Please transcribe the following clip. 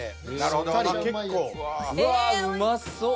うわうまそう。